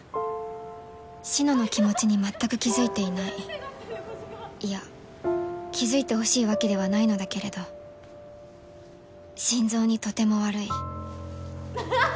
志乃の気持ちに全く気付いていないいや気付いてほしいわけではないのだけれど心臓にとても悪いアハハ！